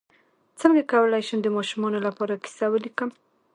څنګه کولی شم د ماشومانو لپاره کیسه ولیکم